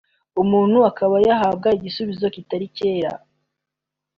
umuntu akaba yahabwa igisubizo kitari icye